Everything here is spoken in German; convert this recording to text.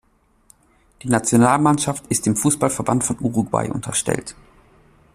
Die Nationalmannschaft ist dem Fußballverband von Uruguay unterstellt.